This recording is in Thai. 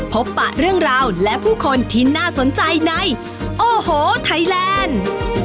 ปะเรื่องราวและผู้คนที่น่าสนใจในโอ้โหไทยแลนด์